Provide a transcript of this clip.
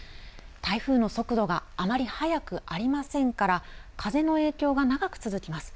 台風の速度があまり速くありませんから、風の影響が長く続きます。